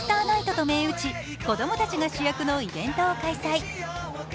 ☆ＮＩＧＨＴと銘打ち子供たちが主役のイベントを開催。